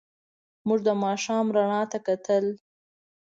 موږ د ماښام رڼا ته کتل.